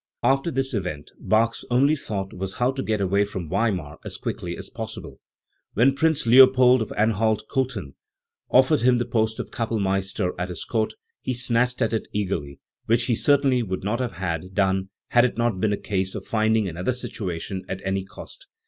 After this event, Bach's only thought was how to get away >from Weimar as quickly as possible. When Prince Leopold of Anhalt Cothen offered him the post of Kapell meister at his Court he snatched at it eagerly, which he certainly would not have done had it not been a case of finding another situation at any cost.